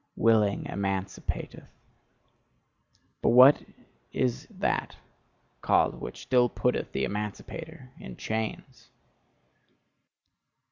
Willing emancipateth: but what is that called which still putteth the emancipator in chains?